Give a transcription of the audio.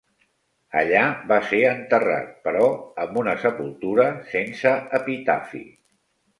Allà va ser enterrat, però amb una sepultura sense epitafi.